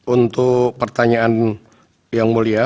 untuk pertanyaan yang mulia